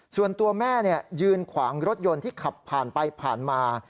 ส่วนตัวแม่ยืนขวางรถยนต์ที่ขับผ่านไปผ่านมา